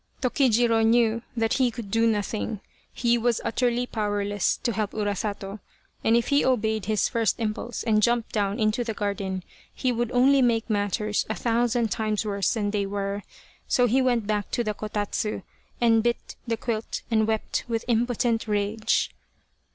Tokijiro knew that he could do nothing he was utterly powerless to help Urasato, and if he obeyed his first impulse and jumped down into the garden he would only make matters a thousand times worse than they were, so he went back to the kotatsu, and bit the quilt and wept with impotent rage.